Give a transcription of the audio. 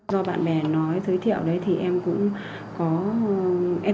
do bạn bè nói giới thiệu đấy thì em cũng có em